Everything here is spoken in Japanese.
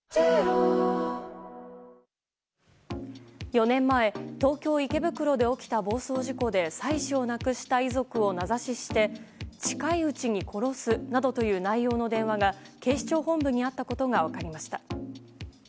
４年前、東京・池袋で起きた暴走事故で妻子を亡くした遺族を名指しして近いうちに殺すなどとという内容の電話が警視庁本部にあったことが分かりました。